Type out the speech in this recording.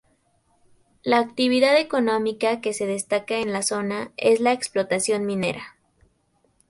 La actividad económica que se destaca en la zona, es la explotación minera.